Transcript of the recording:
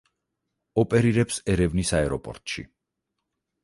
ოპერირებს ერევნის აეროპორტში.